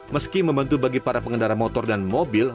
meski membantu bagi para pengendara motor dan mobil